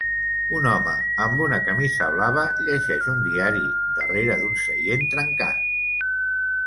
Un home amb una camisa blava llegeix un diari darrere d'un seient trencat.